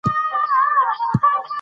اقتصاد د کار بازار فعالیتونه تشریح کوي.